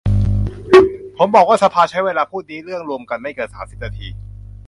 ผมบอกว่าสภาใช้เวลาพูดเรื่องนี้รวมกันไม่เกิน สามสิบ นาที